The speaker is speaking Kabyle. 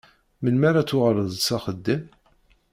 Melmi ara d-tuɣaleḍ s axeddim?